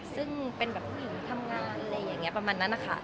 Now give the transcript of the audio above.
ซึ่งเป็นผู้หญิงทำงานเรียกประมาณนั้น